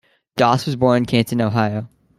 Doss was born in Canton, Ohio.